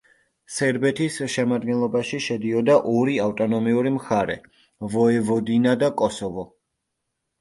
სერბეთის შემადგენლობაში შედიოდა ორი ავტონომიური მხარე: ვოევოდინა და კოსოვო.